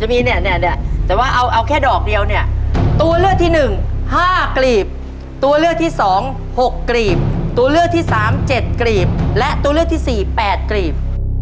จะมีเนี่ยเนี่ยแต่ว่าเอาแค่ดอกเดียวเนี่ยตัวเลือกที่หนึ่งห้ากลีบตัวเลือกที่สองหกกรีบตัวเลือกที่สามเจ็ดกรีบและตัวเลือกที่สี่แปดกรีบ